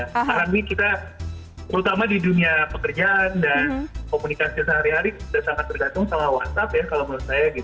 karena ini kita terutama di dunia pekerjaan dan komunikasi sehari hari sudah sangat bergantung sama whatsapp ya kalau menurut saya